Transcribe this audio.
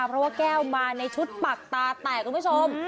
เพราะว่าแก้วมาในชุดปักตาแตกคุณผู้ชม